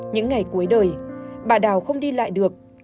những ngày cuối đời bà đào không đi lại được